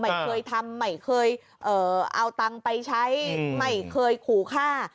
ไม่เคยทำไม่เคยเอาตังค์ไปใช้ไม่เคยขู่ฆ่า